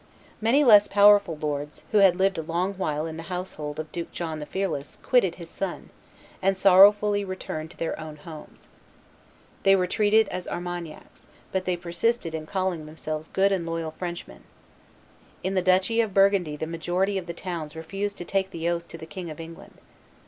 Many less powerful lords, who had lived a long while in the household of Duke John the Fearless, quitted his son, and sorrowfully returned to their own homes. They were treated as Armagnacs, but they persisted in calling themselves good and loyal Frenchmen. In the duchy of Burgundy the majority of the towns refused to take the oath to the King of England.